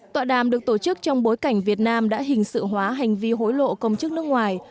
tọa đàm được tổ chức trong bối cảnh việt nam đã hình sự hóa hành vi hối lộ công chức nước ngoài